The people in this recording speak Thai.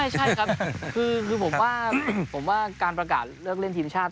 ใช่ครับคือผมว่าผมว่าการประกาศเลือกเล่นทีมชาติ